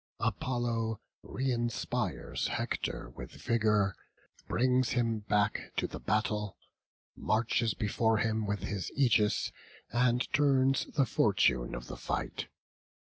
Apollo reinspires Hector with vigour, brings him back to the battle, marches before him with his aegis, and turns the fortune of the fight.